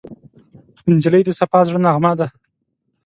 نجلۍ د صفا زړه نغمه ده.